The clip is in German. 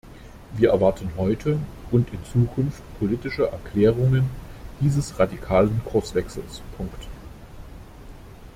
Wir erwarten heute und in Zukunft politische Erklärungen dieses radikalen Kurswechsels.